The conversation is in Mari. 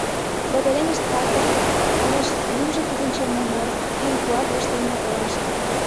Да пеленышт патыр онышт Лӱмжӧ тудын Черномор Эн куатлышт, эн мотор.